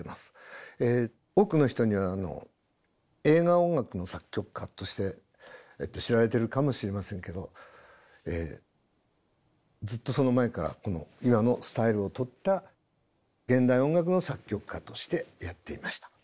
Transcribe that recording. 多くの人には映画音楽の作曲家として知られてるかもしれませんけどずっとその前から今のスタイルをとった現代音楽の作曲家としてやっていました。